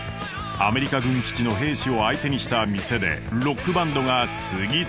アメリカ軍基地の兵士を相手にした店でロックバンドが次々と誕生。